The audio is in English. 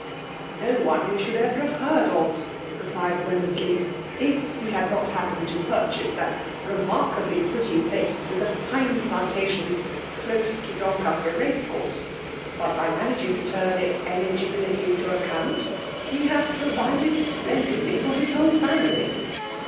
" No one we should have ever heard of,*' FEMAtK DOMINATION* 29 replied Wemmersley^ " if he had not ha}>^ pened to purchase that remarkably pretty place, with the fine plantations, close to J)on caster race course. But by managing to turn its eligibilities to account, he has provided splendidly for his whole family.